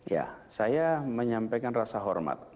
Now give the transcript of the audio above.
ya saya menyampaikan rasa hormat